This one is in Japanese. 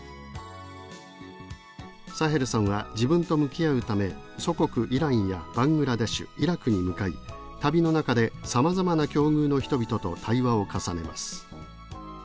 サヘルさんは自分と向き合うため祖国イランやバングラデシュイラクに向かい旅の中でさまざまな境遇の人々と対話を重ねます。